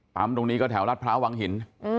ปั๊มตรงนี้ก็แถวรัฐพระวังหิน